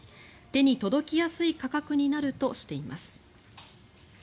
手に届きやすい価格になるとしています。